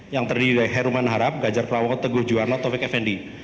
yang terdiri dari heruman harap gajar perawakot teguh juwarno tove kevendi